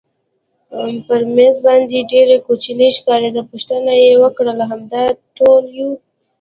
پر مېز باندې ډېر کوچنی ښکارېده، پوښتنه یې وکړل همدا ټول یو؟